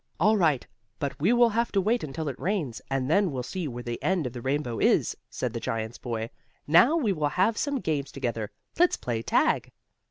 "All right. But we will have to wait until it rains, and then we'll see where the end of the rainbow is," said the giant's boy. "Now we will have some games together. Let's play tag."